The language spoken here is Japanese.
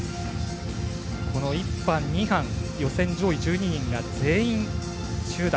この１班、２班予選上位１２人が全員１０代。